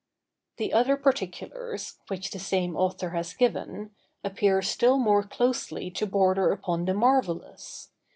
The other particulars, which the same author has given, appear still more closely to border upon the marvellous.